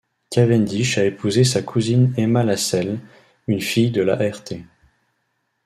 Cavendish a épousé sa cousine Emma Lascelles, une fille de la Rt.